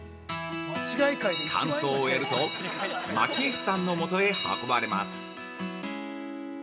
◆乾燥を終えると蒔絵師さんのもとへ運ばれます。